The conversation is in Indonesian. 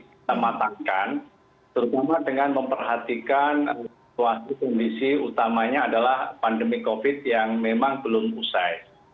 kita matangkan terutama dengan memperhatikan situasi kondisi utamanya adalah pandemi covid yang memang belum usai